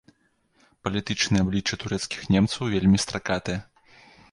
Палітычнае аблічча турэцкіх немцаў вельмі стракатае.